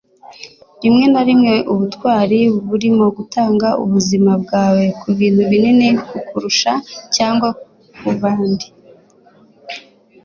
rimwe na rimwe, ubutwari burimo gutanga ubuzima bwawe kubintu binini kukurusha, cyangwa kubandi